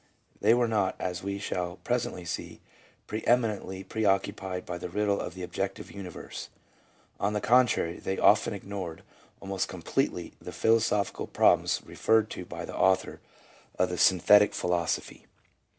They were not, as we shall presently see, preeminently preoccupied by the riddle of the objective universe. On the contrary they of ten ignored almost completely the philosophical problems re ferred to by the author of the Synthetic Philosophy.